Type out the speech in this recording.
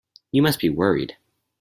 You must be worried.